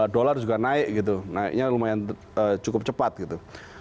dolar juga naik gitu naiknya lumayan cukup cepat gitu